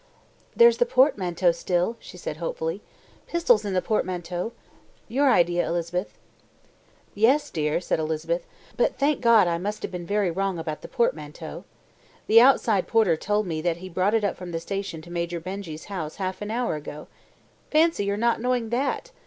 "There's the portmanteau still," she said hopefully. "Pistols in the portmanteau. Your idea, Elizabeth." "Yes, dear," said Elizabeth; "but thank God I must have been very wrong about the portmanteau. The outside porter told me that he brought it up from the station to Major Benjy's house half an hour ago. Fancy your not knowing that!